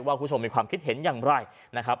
คุณผู้ชมมีความคิดเห็นอย่างไรนะครับ